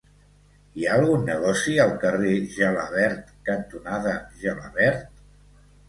Hi ha algun negoci al carrer Gelabert cantonada Gelabert?